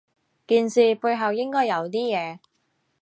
件事背後應該有啲嘢